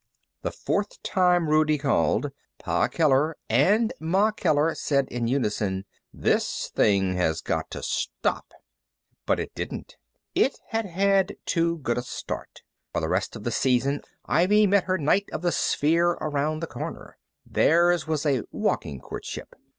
The fourth time Rudie called, Pa Keller and Ma Keller said, in unison: "This thing has got to stop." But it didn't. It had had too good a start. For the rest of the season Ivy met her knight of the sphere around the corner. Theirs was a walking courtship.